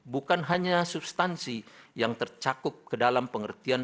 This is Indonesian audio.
bukan hanya substansi yang tercakup ke dalam pengertian